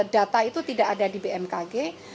data itu tidak ada di bmkg